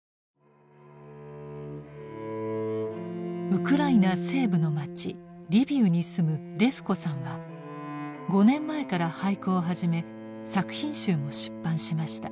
ウクライナ西部の町リビウに住むレフコさんは５年前から俳句を始め作品集も出版しました。